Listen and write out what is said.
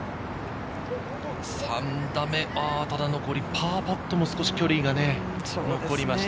ただ残りパーパットもそこで距離がね、残りました。